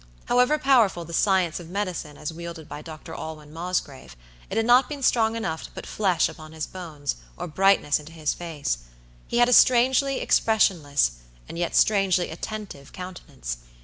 However powerful the science of medicine as wielded by Dr. Alwyn Mosgrave, it had not been strong enough to put flesh upon his bones, or brightness into his face. He had a strangely expressionless, and yet strangely attentive countenance.